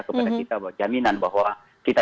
kepada kita bahwa jaminan bahwa kita